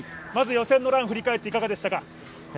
まず予選のランを振り返って、いかがでしたか。